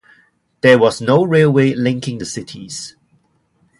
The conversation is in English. There was no railway linking the cities.